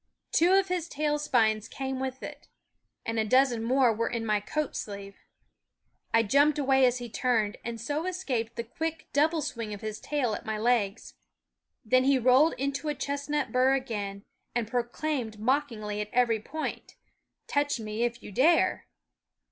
Two of his tail spines came with it ; and a dozen more were in my coat sleeve. I jumped away as he turned, and so escaped the quick double swing of his tail THE WOODS *3 at my legs. Then he rolled into a chestnut bur again, and proclaimed mockingly at every point :" Touch me if you dare